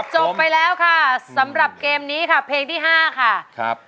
จบไปแล้วค่ะสำหรับเกมนี้ค่ะเพลงที่๕ค่ะครับ